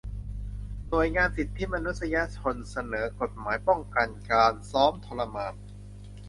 หน่วยงานสิทธิมนุษยชน เสนอกฎหมายป้องกันการซ้อมทรมาน